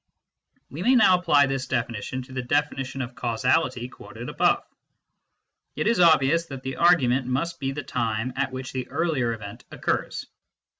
We may now apply this definition to the definition of causality quoted above. It is obvious that the argument must be the time at which the earlier event occurs.